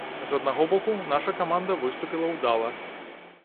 З аднаго боку, наша каманда выступіла ўдала.